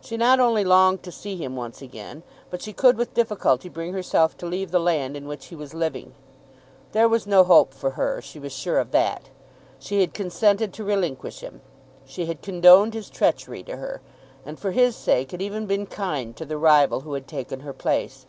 She not only longed to see him once again, but she could with difficulty bring herself to leave the land in which he was living. There was no hope for her. She was sure of that. She had consented to relinquish him. She had condoned his treachery to her, and for his sake had even been kind to the rival who had taken her place.